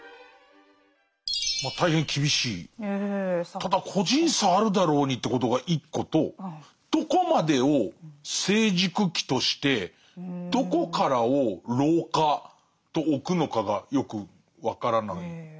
ただ個人差あるだろうにということが一個とどこまでを成熟期としてどこからを老化とおくのかがよく分からないかな。